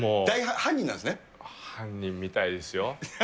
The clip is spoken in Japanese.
犯人みたいですよ。